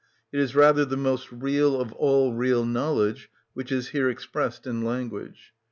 It is rather the most real of all real knowledge which is here expressed in language.